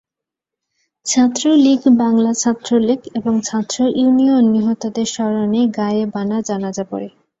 ছাত্রলীগ, বাংলা ছাত্রলীগ এবং ছাত্র ইউনিয়ন নিহতদের স্মরণে গায়েবানা জানাজা পড়ে।